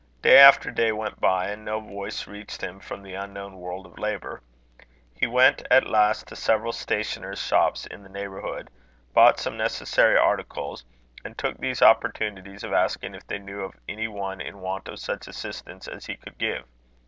Day after day went by, and no voice reached him from the unknown world of labour. He went at last to several stationers' shops in the neighbourhood, bought some necessary articles, and took these opportunities of asking if they knew of any one in want of such assistance as he could give.